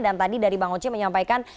dan tadi dari bang oce menyampaikan